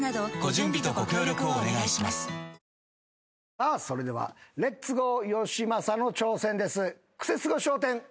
さあそれではレッツゴーよしまさの挑戦です。